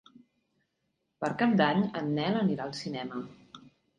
Per Cap d'Any en Nel anirà al cinema.